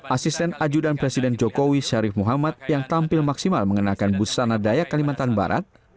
asisten ajudan presiden jokowi syarif muhammad yang tampil maksimal mengenakan busana daya kalimantan barat